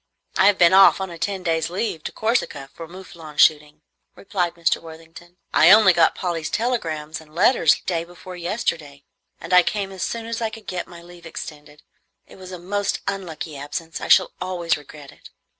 "I have been off on a ten days' leave to Corsica for moufflon shooting," replied Mr. Worthington. "I only got Polly's telegrams and letters day before yesterday, and I came away as soon as I could get my leave extended. It was a most unlucky absence. I shall always regret it."